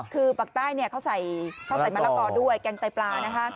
คือปากใต้เขาใส่มะละกอด้วยแกงไตปลานะคะ